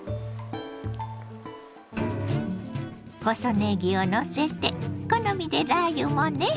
細ねぎをのせて好みでラー油もね。